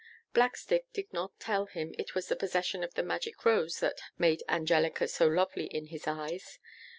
Blackstick did not tell him it was the possession of the magic rose that made Angelica so lovely in his eyes.